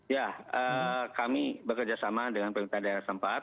ya kami bekerja sama dengan pemda setempat